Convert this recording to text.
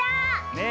ねえ。